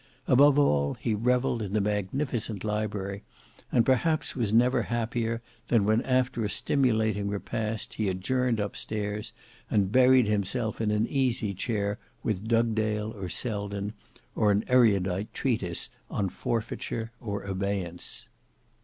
Above all, he revelled in the magnificent library, and perhaps was never happier, than when after a stimulating repast he adjourned up stairs, and buried himself in an easy chair with Dugdale or Selden, or an erudite treatise on forfeiture or abeyance.